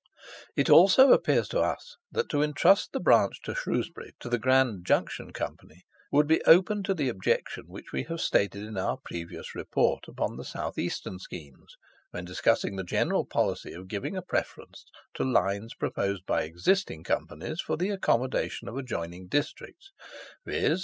It also appears to us, that to entrust the branch to Shrewsbury to the Grand Junction Company would be open to the objection which we have stated in our previous Report upon the South Eastern schemes, when discussing the general policy of giving a preference to lines proposed by existing Companies for the accommodation of adjoining districts, viz.